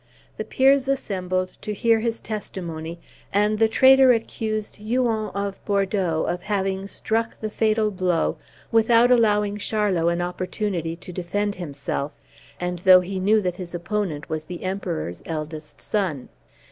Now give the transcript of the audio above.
The peers assembled to hear his testimony, and the traitor accused Huon of Bordeaux of having struck the fatal blow without allowing Charlot an opportunity to defend himself, and though he knew that his opponent was the Emperor's eldest son.